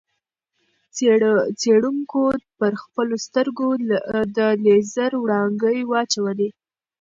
څېړونکو پر خپلو سترګو د لېزر وړانګې واچولې.